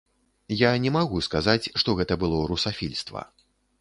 Я не магу сказаць, што гэта было русафільства.